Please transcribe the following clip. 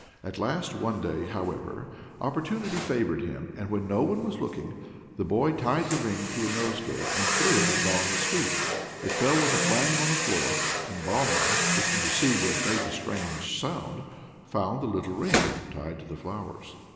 At last one day, however, opportunity favoured him, and when no one was looking, the boy tied the ring to a nosegay, and threw it at Balna's feet. It fell with a clang on the floor, and Balna, looking to see what made the strange sound, found the little ring tied to the flowers.